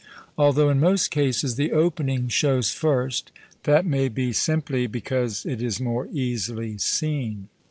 Although, in most cases, the "opening" shows first, that may be simply because it is more easily seen.